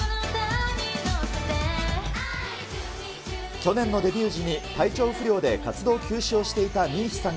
去年のデビュー時に体調不良で活動休止をしていたＭＩＩＨＩさん